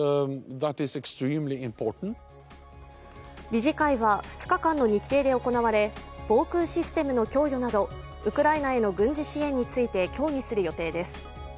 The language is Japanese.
理事会は２日間の日程で行われ、防空システムの供与などウクライナへの軍事支援について協議する予定です。